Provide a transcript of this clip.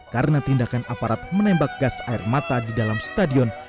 karena tindakan aparat menembak gas air mata di dalam stadion